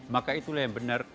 maka itulah yang benar